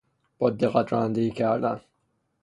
با دقت رانندگی کردن